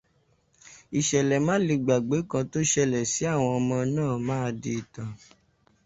Ìṣẹ̀lẹ̀ málegbàgbé kan tó ṣẹlẹ̀ sí àwọn ọmọ náà máa di ìtàn.